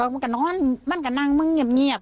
แม่นก็น้อยแม่นก็นั่งแม่นก็เงียบ